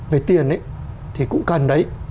về tiền ấy thì cũng cần đấy